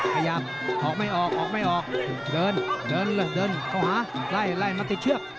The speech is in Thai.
ขยับออกไม่ออกออกไม่ออกเดินเดินเลยเดินเข้าหาไล่มาติดเชือก